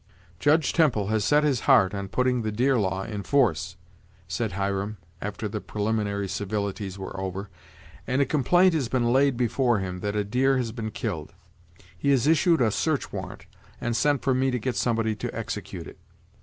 "Judge Temple has set his heart on putting the deer law in force," said Hiram, after the preliminary civilities were over, "and a complaint has been laid before him that a deer has been killed. He has issued a search warrant, and sent for me to get somebody to execute it."